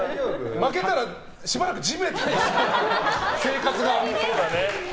負けたらしばらく地べたに座る生活が。